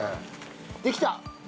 できた。